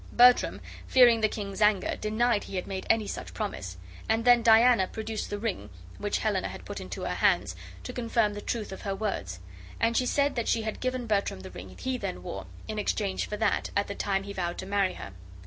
Bertram, fearing the king's anger, denied he had made any such promise; and then Diana produced the ring (which Helena had put into her hands) to confirm the truth of her words; and she said that she had given Bertram the ring he then wore, in exchange for that, at the time he vowed to marry her.